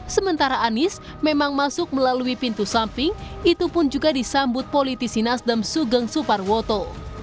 sementara anies memang masuk melalui pintu samping itu pun juga disambut politisi nasdem sugeng suparwoto